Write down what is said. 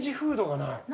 ない！